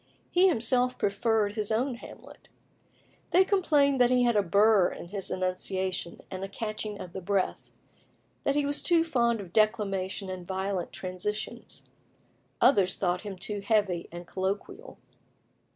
He himself preferred his own Hamlet. They complained that he had a burr in his enunciation, and a catching of the breath that he was too fond of declamation and violent transitions; others thought him too heavy and colloquial.